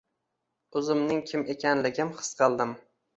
Oʻzimning kim ekanligim his qildim